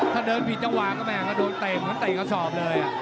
ถ้าเดินผิดจังหวะก็แม่ก็โดนเตะเหมือนเตะกระสอบเลย